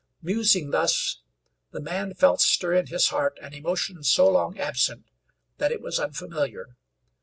Musing thus, the man felt stir in his heart an emotion so long absent that it was unfamiliar.